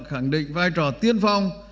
khẳng định vai trò tiên phong